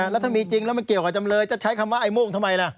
แล้วถ้ามีจริงแล้วมันเกี่ยวกับจำเลยจะใช้คำว่าไอ้โม่งทำไมล่ะ